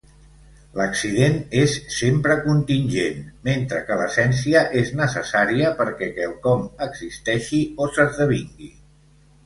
L'accident és sempre contingent, mentre que l'essència és necessària perquè quelcom existeixi o s'esdevingui.